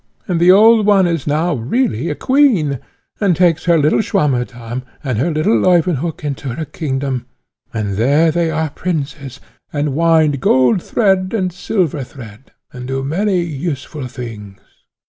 And the old one is now really a queen, and takes her little Swammerdamm and her little Leuwenhock into her kingdom, and there they are princes, and wind gold thread and silver thread, and do many other useful things."